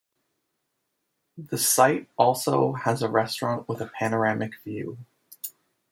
The site also has a restaurant with a panoramic view.